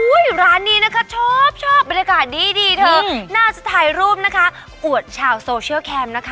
ร้านนี้นะคะชอบชอบบรรยากาศดีเธอน่าจะถ่ายรูปนะคะอวดชาวโซเชียลแคมป์นะคะ